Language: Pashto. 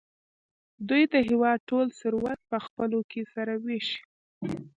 دوی د هېواد ټول ثروت په خپلو کې سره وېشي.